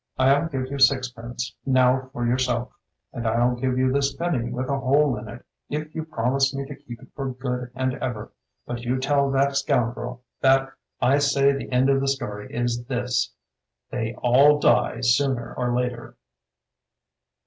'I'll give you six pence now for yourself, and I'll give you tills penny with a hole in it if you promise me to keep it for good and ever, but you tell that scoundrel that I say the end of the stoiy is this — they ail die sooner or later.'